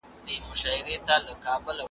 چي په ښار کي پاته پیر او تعویذګروي .